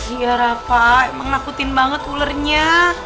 iya rapah emang ngakutin banget ulernya